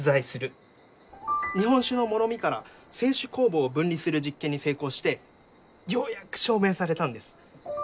日本酒のもろみから清酒酵母を分離する実験に成功してようやく証明されたんです。